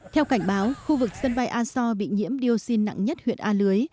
theo cảnh báo khu vực sân bay aso bị nhiễm dioxin nặng nhất huyện a lưới